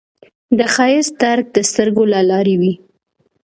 د ښایست درک د سترګو له لارې وي